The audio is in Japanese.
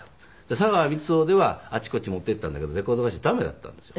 佐川満男ではあちこち持って行ったんだけどレコード会社駄目だったんですよ。